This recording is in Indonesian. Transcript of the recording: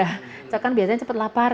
kita kan biasanya cepat lapar